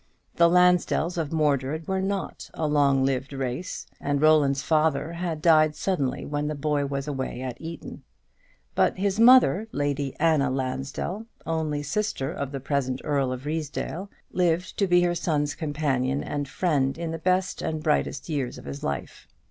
The Lansdells of Mordred were not a long lived race, and Roland's father had died suddenly when the boy was away at Eton; but his mother, Lady Anna Lansdell, only sister of the present Earl of Ruysdale, lived to be her son's companion and friend in the best and brightest years of his life.